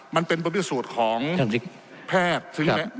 มันเป็นประวิสุทธิ์ของแพทย์